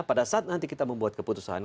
pada saat nanti kita membuat keputusan